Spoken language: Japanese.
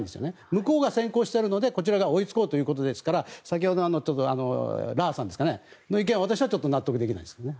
向こうが先行しているのでこちらが追いつこうということですから先ほど、ラーさんの意見は私はちょっと納得できないですね。